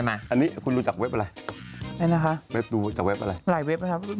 อันนี้คุณรู้จากแวบอะไรดูจากแวบอะไรแล้วไหน